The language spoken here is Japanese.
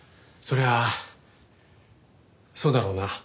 そりゃあそうだろうな。